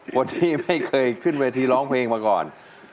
คนที่ไม่เคยขึ้นเวทีร้องเพลงมาก่อน